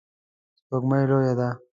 سپوږمۍ لویه ده